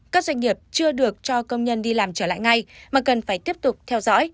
các doanh nghiệp chưa được cho công nhân đi làm trở lại ngay mà cần phải tiếp tục theo dõi